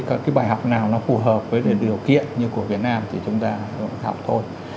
các cái bài học nào nó phù hợp với điều kiện như của việt nam thì chúng ta học thôi